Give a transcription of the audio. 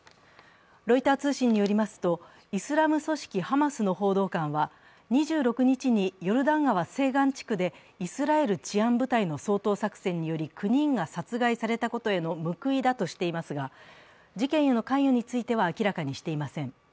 ロイター通信によりますとイスラム組織ハマスの報道官は、２６日にヨルダン川西岸地区でイスラエル治安部隊の掃討作戦により９人が殺害されたことへの報いだとしていますが事件への関与については明らかにしていません。